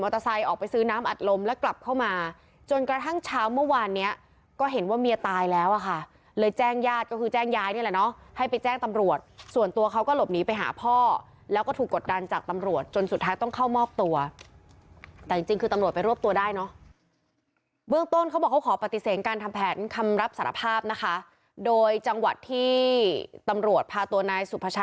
ตายแล้วอ่ะค่ะเลยแจ้งญาติก็คือแจ้งยายนี่แหละเนอะให้ไปแจ้งตำรวจส่วนตัวเขาก็หลบหนีไปหาพ่อแล้วก็ถูกกดดันจากตำรวจจนสุดท้ายต้องเข้ามอบตัวแต่จริงจริงคือตำรวจไปรวบตัวได้เนอะเบื้องต้นเขาบอกเขาขอปฏิเสธการทำแผนคำรับสารภาพนะคะโดยจังหวัดที่ตำรวจพาตัวนายสุภาชั